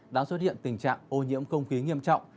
đã xuất hiện tình trạng ô nhiễm không khí nghiêm trọng